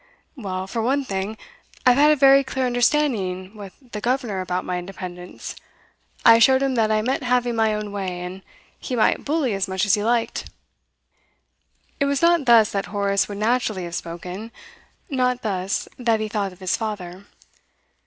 'Well, for one thing, I've had a very clear understanding with the gov'nor about my independence. I showed him that I meant having my own way, and he might bully as much as he liked.' It was not thus that Horace would naturally have spoken, not thus that he thought of his father.